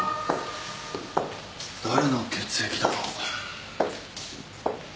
誰の血液だろう？